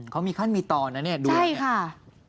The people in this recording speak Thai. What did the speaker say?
เขามีขั้นมีตอนนะเนี่ยดูซิค่ะใช่ค่ะ